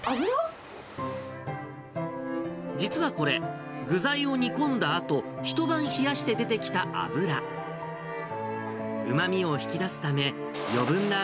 実はこれ、具材を煮込んだあと、一晩冷やして出てきた油。